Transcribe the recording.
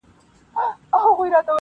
په لیدلو چي یې وو په زړه نتلی -